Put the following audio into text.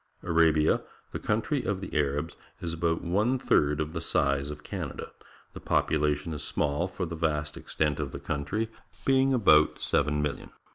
— Arabia, the countrj' of the Arabs, is about one third of the size of Canada. The population is small for the vast extent of country, being about seven million.